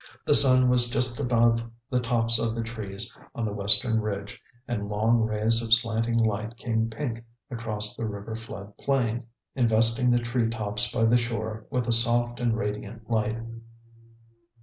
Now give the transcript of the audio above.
The sun was just above the tops of the trees on the western ridge and long rays of slanting light came pink across the river flood plain, investing the tree tops by the shore with a soft and radiant light.